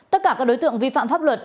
tất cả các đối tượng vi phạm pháp luật